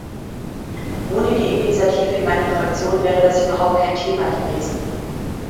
Ohne die Initiative meiner Fraktion wäre das überhaupt kein Thema gewesen.